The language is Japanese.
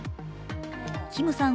キムさん